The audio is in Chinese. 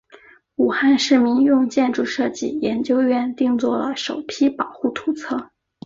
武汉市民用建筑设计研究院定做了首批保护图则。